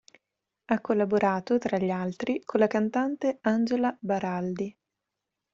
Ha collaborato, tra gli altri, con la cantante Angela Baraldi.